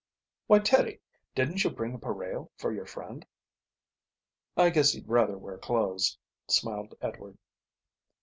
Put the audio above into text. "Why, Teddie, didn't you bring a pareo for your friend?" "I guess he'd rather wear clothes," smiled Edward.